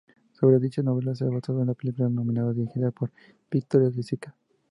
Sobre dicha novela se ha basado la película homónima dirigida por Vittorio De Sica.